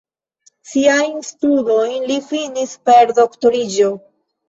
Siajn studojn li finis per doktoriĝo.